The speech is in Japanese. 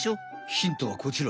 ヒントはこちら。